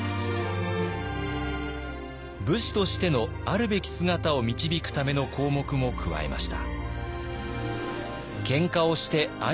武士としてのあるべき姿を導くための項目も加えました。